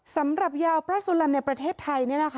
สำหรับยาวปลาโซแลมในประเทศไทย